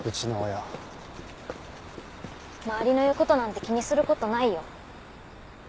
周りの言う事なんて気にする事ないよ。